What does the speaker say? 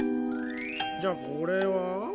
じゃこれは？